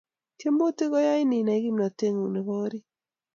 Tiemutik ko yain inai kimnatengung ne bo orit